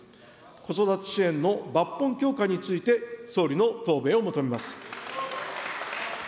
子育て支援の抜本強化について総理の答弁を求めます。